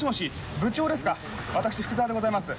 部長ですか、私、福澤でございます。